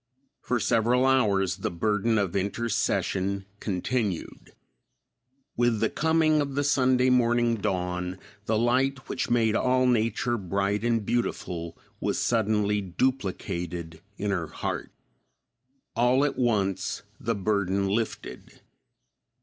For several hours the burden of intercession continued. With the coming of the Sunday morning dawn, the light which made all nature bright and beautiful was suddenly duplicated in her heart. All at once the burden lifted.